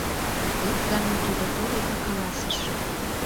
Ик гана тудо тольо да каласыш: